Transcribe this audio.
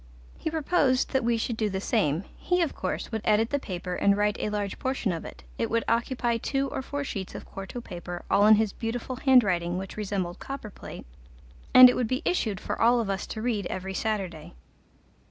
He proposed that we should do the same; he, of course, would edit the paper and write a large portion of it; it would occupy two or four sheets of quarto paper, all in his beautiful handwriting, which resembled copper plate, and it would be issued for all of us to read every Saturday.